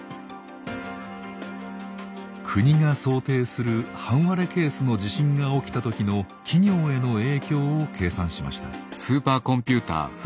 国が想定する半割れケースの地震が起きた時の企業への影響を計算しました。